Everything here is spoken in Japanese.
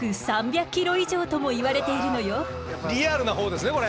リアルな方ですねこれ。